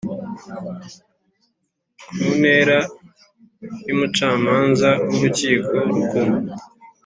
Ku ntera y umucamanza w urukiko rukuru